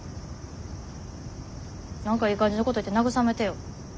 何かいい感じのこと言って慰めてよ。